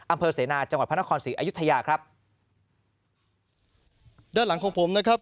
อำเภอเสนาจังหวัดพระนครศรีอายุทยาครับด้านหลังของผมนะครับ